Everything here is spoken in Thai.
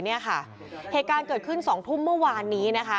เหตุการณ์เกิดขึ้น๒ทุ่มเมื่อวานนี้